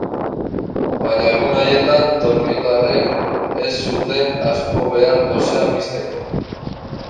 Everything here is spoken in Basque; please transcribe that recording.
Baina egun haietan tokiotarrek ez zuten asko behar gosea pizteko.